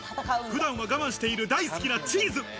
普段は我慢している大好きなチーズ。